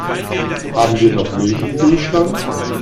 Haben wir noch Milch im Kühlschrank?